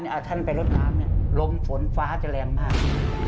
ถ้าท่านไปรถบ้านลมฝนฟ้าจะแรมมาก